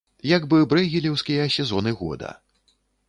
Як бы брэйгелеўскія сезоны года.